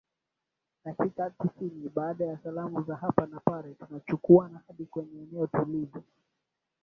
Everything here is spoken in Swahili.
dakika tisini Baada ya salamu za hapa na pale tunachukuana hadi kwenye eneo tulivu